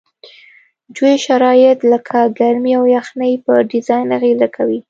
جوي شرایط لکه ګرمي او یخنۍ په ډیزاین اغیزه کوي